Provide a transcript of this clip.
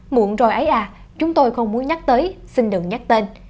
muộn rồi ấy à chúng tôi không muốn nhắc tới xin đừng nhắc tên